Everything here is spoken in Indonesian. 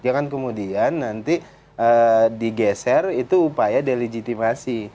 jangan kemudian nanti digeser itu upaya delegitimasi